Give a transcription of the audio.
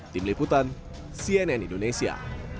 tim liputan cnn indonesia